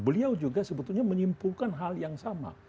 beliau juga sebetulnya menyimpulkan hal yang sama